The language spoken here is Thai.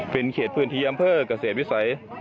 เป็นเขตพื้นที่อำเภอกเกษตรวิสัย